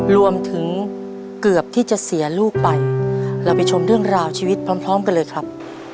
รวมถึงเกือบที่จะเสียลูกไปเราไปชมเรื่องราวชีวิตพร้อมกันเลยครับ